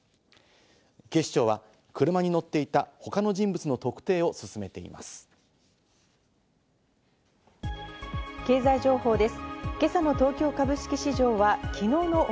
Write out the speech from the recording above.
警視庁は車に乗っていた他の人物の特定を進めています。